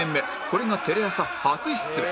これがテレ朝初出演